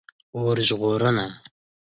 🚒 اور ژغورنه